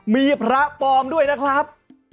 มีพระปลอมด้วยนะครับ